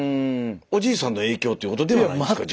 おじいさんの影響ということではないんですか？